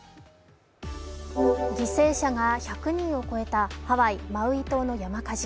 犠牲者が１００人を超えたハワイ・マウイ島の山火事。